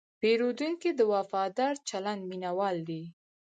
پیرودونکی د وفادار چلند مینهوال دی.